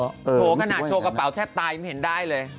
โชว์กระเป๋าแทบตายยังเห็นได้เลย